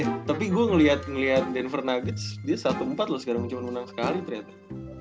tapi gue ngeliat ngeliat denver nuggets dia satu empat loh sekarang cuma menang sekali ternyata